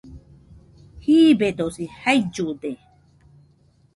Jiibedosi jaillude